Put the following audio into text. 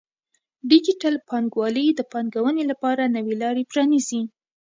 ډیجیټل بانکوالي د پانګونې لپاره نوې لارې پرانیزي.